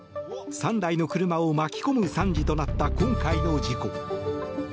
３台の車を巻き込む惨事となった今回の事故。